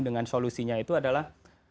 dengan solusinya itu adalah